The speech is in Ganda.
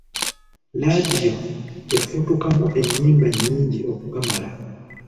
Laadiyo yafutukamu ennyimba nnyingi okukamala.